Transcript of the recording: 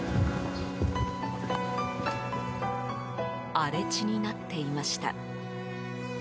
荒れ地になっていました。